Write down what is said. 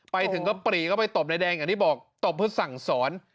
ไปถึงก็ปรีกก็ไปตบไอดาร์แดงอย่างที่บอกตบเพื่อสั่งศร